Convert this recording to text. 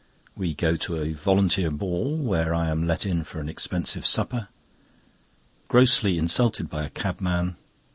We go to a Volunteer Ball, where I am let in for an expensive supper. Grossly insulted by a cabman.